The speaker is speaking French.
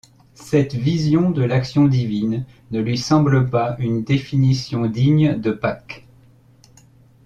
Cette vision de l'action divine ne lui semble pas une définition digne de Pâques.